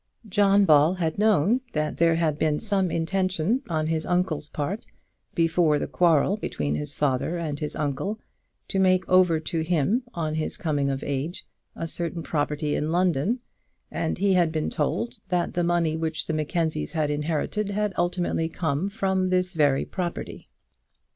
John Ball had known that there had been some intention on his uncle's part, before the quarrel between his father and his uncle, to make over to him, on his coming of age, a certain property in London, and he had been told that the money which the Mackenzies had inherited had ultimately come from this very property.